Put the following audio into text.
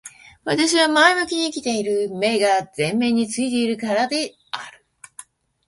私は前向きに生きている。目が前面に付いているからである。